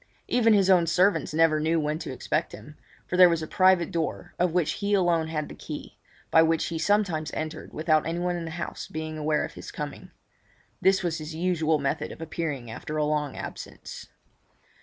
Even his own servants never knew when to expect him, for there was a private door, of which he alone had the key, by which he sometimes entered without anyone in the house being aware of his coming. This was his usual method of appearing after a long absence.